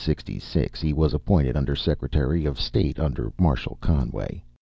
In 1766 he was appointed Under Secretary of State under Marshal Conway.